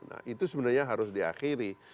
nah itu sebenarnya harus diakhiri